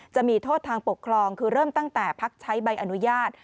จะมีโทษทางปกครองคือเริ่มตั้งแต่พักใช้ใบอนุญาต